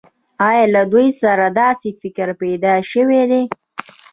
آیا له دوی سره داسې فکر پیدا شوی دی